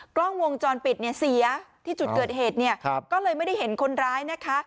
กล้องวงจรปิดเนี่ยเสียที่จุดเกิดเหตุเนี่ยก็เลยไม่ได้เห็นคนร้ายนะคะ